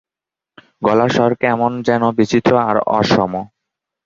গলার স্বর কেমন যেন বিচিত্র আর অসম।